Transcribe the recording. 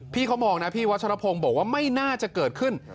พี่เขามองนะพี่วัชรพงศ์บอกว่าไม่น่าจะเกิดขึ้น